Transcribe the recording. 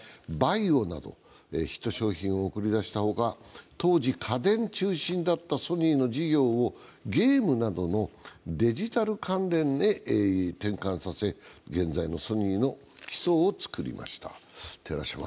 ＶＡＩＯなどヒット商品を送り出したほか当時、家電中心だったソニーの事業をゲームなどのデジタル関連へ転換させ現在のソニーの基礎を作りました。